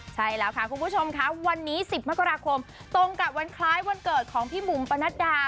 ใช่แล้วค่ะคุณผู้ชมค่ะวันนี้๑๐มกราคมตรงกับวันคล้ายวันเกิดของพี่บุ๋มปนัดดา